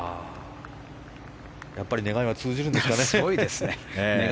やっぱり願いは通じるんですかね。